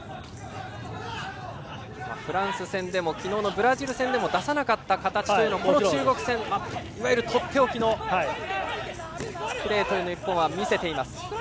フランス戦でも昨日のブラジル戦でも出さなかった形を、この中国戦いわゆる、とっておきのプレーを日本は見せています。